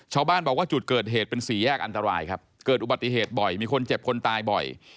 ชาวบ้านบอกว่าจุดเกิดเหตุเป็นสี่แยกอันตรายครับเกิดอุบัติเหตุบ่อยมีคนเจ็บคนตายบ่อย